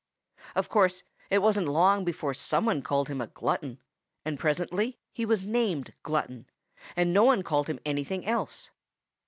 Of course it wasn't long before some one called him a glutton, and presently he was named Glutton, and no one called him anything else.